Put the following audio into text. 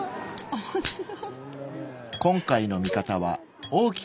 面白い。